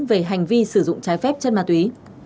về hành vi sử dụng trái phép chất ma túy